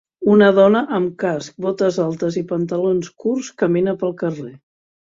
Una dona amb casc, botes altes i pantalons curts camina pel carrer.